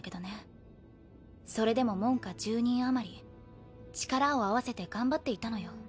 それでも門下１０人余り力を合わせて頑張っていたのよ。